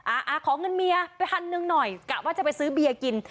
อ่าอ่าขอเงินเมียไปพันหนึ่งหน่อยกะว่าจะไปซื้อเบียร์กิน